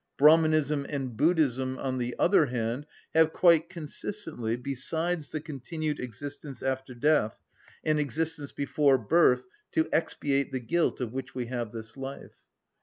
Brahmanism and Buddhism, on the other hand, have quite consistently, besides the continued existence after death, an existence before birth to expiate the guilt of which we have this life.